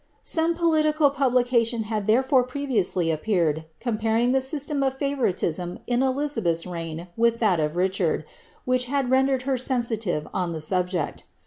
Some political publication had therefore previously ap peared, comparing the system of favouritism in Elizabeth^s reign with that of Richard, which had rendered her sensitive on the subject.